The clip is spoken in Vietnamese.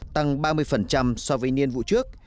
tăng ba mươi so với niên vụ trước